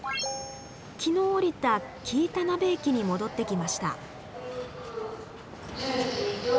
昨日降りた紀伊田辺駅に戻ってきました。